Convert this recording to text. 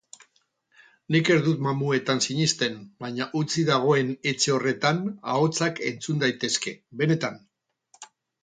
Nik ez dut mamuetan sinisten baina hutsik dagoen etxe horretan ahotsak entzun daitezke, benetan.